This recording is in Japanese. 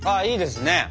いいですね！